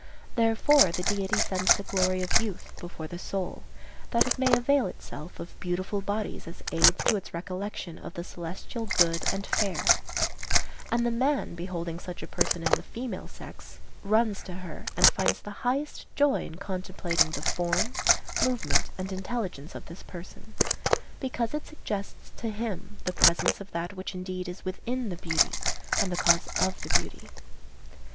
Therefore the Deity sends the glory of youth before the soul, that it may avail itself of beautiful bodies as aids to its recollection of the celestial good and fair; and the man beholding such a person in the female sex runs to her and finds the highest joy in contemplating the form, movement, and intelligence of this person, because it suggests to him the presence of that which indeed is within the beauty, and the cause of the beauty.